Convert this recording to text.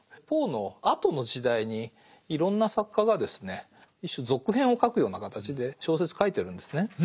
ポーのあとの時代にいろんな作家がですね一種続編を書くような形で小説書いてるんですね。